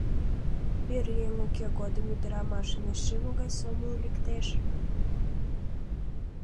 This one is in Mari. — Пӧръеҥ уке годым ӱдырамашын эше могай сомыл лектеш?